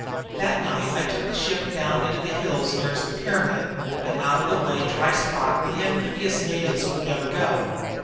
That night I took the ship down into the hills nearest the pyramid, an out of the way dry spot where the amphibious natives would never go.